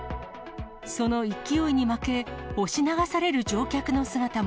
その勢いに負け、押し流される乗客の姿も。